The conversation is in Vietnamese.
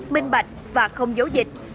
minh bạch và không dấu dịch